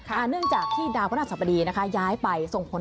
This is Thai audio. อ่าเนื่องจากที่ดาวพระนักศนรภรีย้ายไปส่งผล